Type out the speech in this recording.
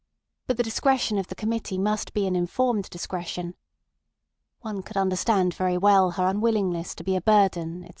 But the discretion of the Committee must be an informed discretion. One could understand very well her unwillingness to be a burden, etc.